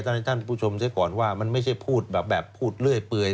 ท่านท่านผู้ชมเจ๊ก่อนว่ามันไม่ใช่พูดแบบแบบพูดเลื่อยเปลือย